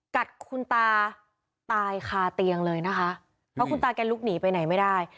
กัดคุณตาตายคาเตียงเลยนะคะเพราะคุณตาแกลุกหนีไปไหนไม่ได้